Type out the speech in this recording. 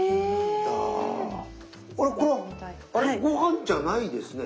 あれこれはごはんじゃないですね？